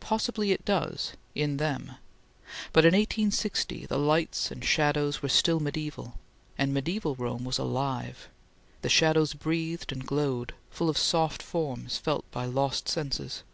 Possibly it does in them but in 1860 the lights and shadows were still mediaeval, and mediaeval Rome was alive; the shadows breathed and glowed, full of soft forms felt by lost senses.